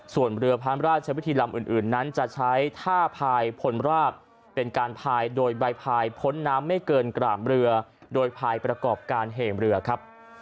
ส่วนเรือพระราชวิธีลำอื่นนั้นจะใช้ท่าพายพลราบเป็นการพายโดยใบพายพ้นน้ำไม่เกินกราบเรือโดยภายประกอบการเห่งเรือครับ